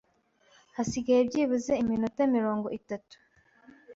hasigaye byibuze iminota mirongo itatu